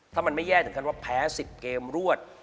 ถ้ามันไม่แย่ถึงขั้นว่าแพ้๑๐เกมรวด